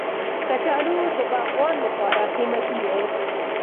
کچالو د باغوان لپاره قیمتي دی